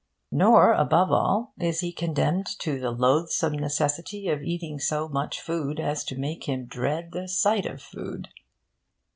Nor, above all, is he condemned to the loathsome necessity of eating so much food as to make him dread the sight of food.